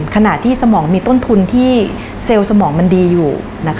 ขณะที่สมองมีต้นทุนที่เซลล์สมองมันดีอยู่